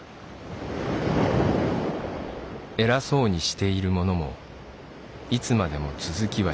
「えらそうにしている者もいつまでもつづきはしない。